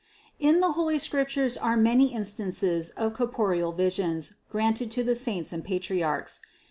640. In the holy Scriptures are many instances of cor poreal visions granted to the saints and Patriarchs.